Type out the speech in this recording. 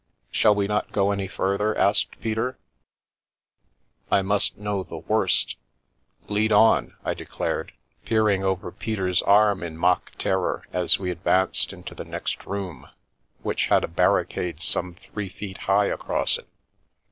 " Shall we not go any further?" asked Peter. " I must know the worst ! Lead on !" I declared, peering over Peter's arm in mock terror as we advanced into the next room, which had a barricade some three QC Where the 'Bus Went feet high across it.